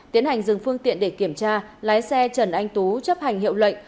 tiến hành dừng phương tiện để kiểm tra lái xe trần anh tú chấp hành hiệu lệnh